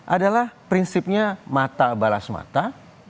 adalah prinsipnya mata balas mata